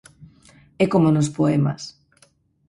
É como nos poemas.